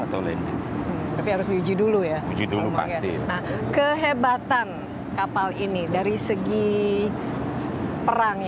atau landing tapi harus diuji dulu ya uji dulu pasti kehebatan kapal ini dari segi perangnya